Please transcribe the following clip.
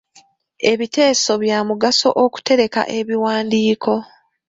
Ebiteeso bya mugaso okutereka ebiwandiiko.